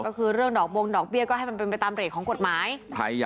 ก็คือเรื่องดอกบงดอกเบี้ยก็ให้มันเป็นไปตามเรทของกฎหมาย